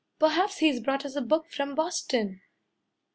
Perhaps he's brought us a book from Boston."